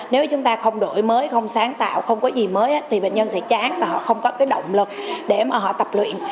nếu chúng ta không đổi mới không sáng tạo không có gì mới thì bệnh nhân sẽ chán và họ không có cái động lực để mà họ tập luyện